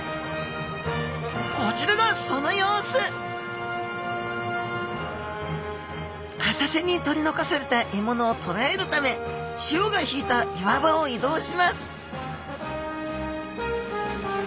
こちらがその様子浅瀬に取り残された獲物をとらえるため潮が引いた岩場を移動します